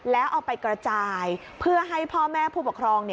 แล้วเอาไปกระจายเพื่อให้พ่อแม่ผู้ปกครอง